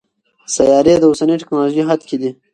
سیارې د اوسني ټکنالوژۍ حد کې دي.